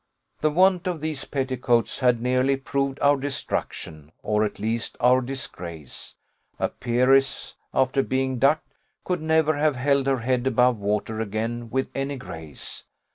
The want of these petticoats had nearly proved our destruction, or at least our disgrace: a peeress after being ducked, could never have held her head above water again with any grace.